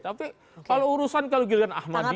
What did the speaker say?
tapi kalau urusan kalau giliran ahmad